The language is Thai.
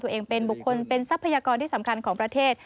ตัวเองเป็นบุคคลเป็นทรัพยากรที่สำคัญของประเทศ